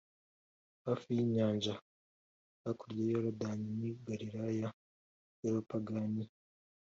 Hafi y’inyanja hakurya ya Yorodani N’i Galilaya y’abapagani